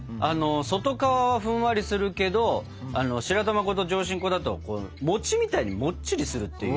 外皮はふんわりするけど白玉粉と上新粉だと餅みたいにもっちりするっていうイメージなのかな。